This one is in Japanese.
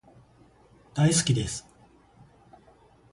大好きです